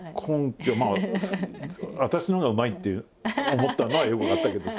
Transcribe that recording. まあ私のほうがうまいって思ったのはよく分かったけどさ。